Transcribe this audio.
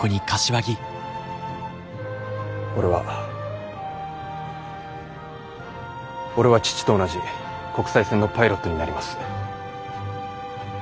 俺は俺は父と同じ国際線のパイロットになります。